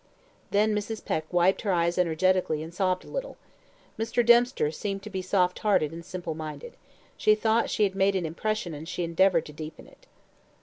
Then Mrs. Peck wiped her eyes energetically and sobbed a little. Mr. Dempster seemed to be soft hearted and simple minded. She thought she had made an impression, and she endeavoured to deepen it.